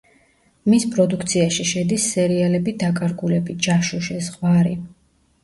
მის პროდუქციაში შედის სერიალები „დაკარგულები“, „ჯაშუში“, „ზღვარი“.